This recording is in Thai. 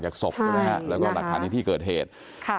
จากศพแล้วก็ดักฐานที่เกิดเหตุ